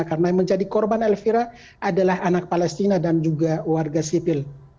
karena yang menjadi korban elvira adalah anak palestina dan juga warga sipil